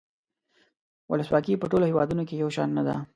ولسواکي په ټولو هیوادونو کې یو شان نده.